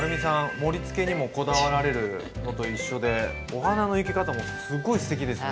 盛りつけにもこだわられるのと一緒でお花の生け方もすごいすてきですね。